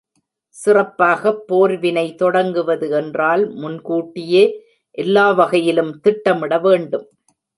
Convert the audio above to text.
சிறப்பாகப் போர்வினை தொடங்குவது என்றால் முன்கூட்டியே எல்லாவகையிலும் திட்டமிட வேண்டும்.